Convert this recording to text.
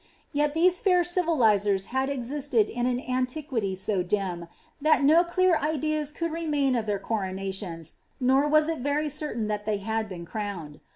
Yet these frir civilisen bad existed in an antiquity so dim, that no clear ideas could remain of their coronations, nor was it very certain that they had been crowned.